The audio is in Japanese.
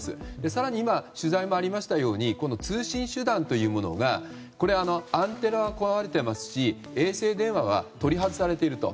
更に今、取材もありましたように通信手段というものがアンテナは壊れていますし衛星電話は取り外されていると。